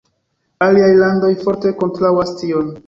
Aliaj landoj forte kontraŭas tion.